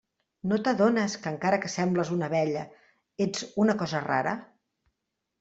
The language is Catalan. No t'adones que encara que sembles una abella, ets una «cosa rara»?